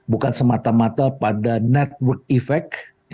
bukan semata mata pada network effect